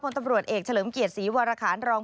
ตำรวจเอกเฉลิมเกียรติศรีวรคารรอง